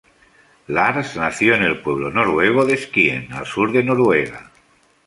Lars nació en el pueblo noruego de Skien, al sur de Noruega.